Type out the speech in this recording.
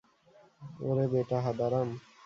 ওরে বেটা হাঁদারাম।